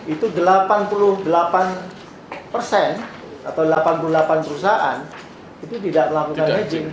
itu delapan puluh delapan persen atau delapan puluh delapan perusahaan itu tidak melakukan magic